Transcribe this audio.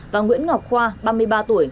và nguyễn ngọc khoa ba mươi ba tuổi